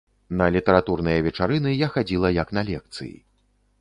На літаратурныя вечарыны я хадзіла як на лекцыі.